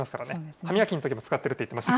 歯磨きのときも使ってるって言ってました。